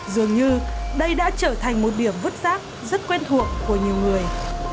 dường như đây đã trở thành một điểm vứt rác rất quen thuộc của nhiều người